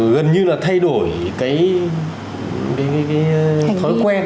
gần như là thay đổi cái